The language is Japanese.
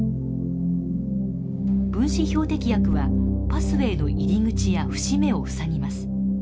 分子標的薬はパスウェーの入り口や節目をふさぎます。